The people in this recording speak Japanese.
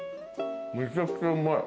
めちゃくちゃうまい。